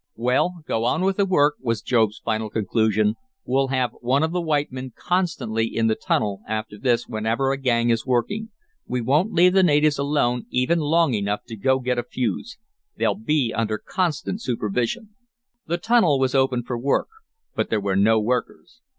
"Well, go on with the work," was Job's final conclusion. "We'll have one of the white men constantly in the tunnel after this whenever a gang is working. We won't leave the natives alone even long enough to go to get a fuse. They'll be under constant supervision." The tunnel was opened for work, but there were no workers.